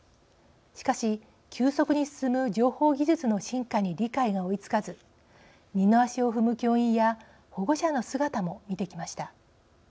しかし急速に進む情報技術の進化に理解が追いつかず二の足を踏む教員や保護者の姿も見てきました。